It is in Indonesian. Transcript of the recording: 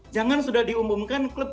jangan sudah diumumkan klub